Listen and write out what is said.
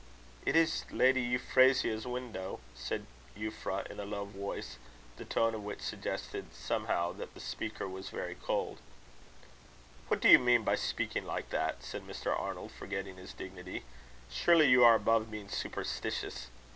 "It is Lady Euphrasia's window," said Euphra, in a low voice, the tone of which suggested, somehow, that the speaker was very cold. "What do you mean by speaking like that?" said Mr. Arnold, forgetting his dignity. "Surely you are above being superstitious.